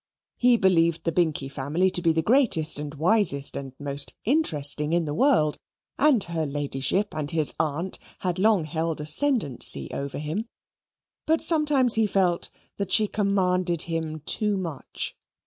He believed the Binkie family to be the greatest and wisest and most interesting in the world, and her Ladyship and his aunt had long held ascendency over him; but sometimes he felt that she commanded him too much.